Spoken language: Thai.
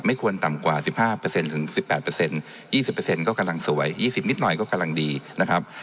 ควรต่ำกว่า๑๕ถึง๑๘๒๐ก็กำลังสวย๒๐นิดหน่อยก็กำลังดีนะครับ